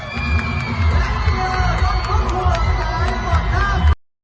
โปรดติดตามตอนต่อไป